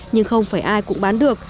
nhưng không phải ai cũng bán được